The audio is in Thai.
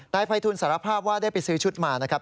ภัยทูลสารภาพว่าได้ไปซื้อชุดมานะครับ